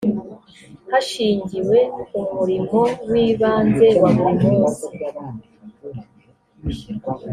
hashingiwe ku murimo w ibanze wa buri munsi